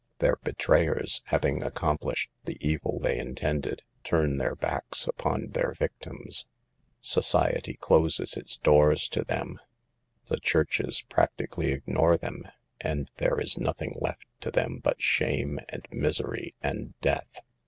Their betrayers, having accomplished the evil they intended, turn their backs upon their victims; society closes its doors to them ; the churches practi CAUSES OF THE SOCIAL EVIL 35 cally ignore them, and there is nothing left to them but shame, and misery, and death.